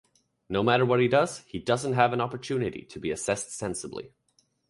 No matter what he does, he doesn't have an opportunity to be assessed sensibly.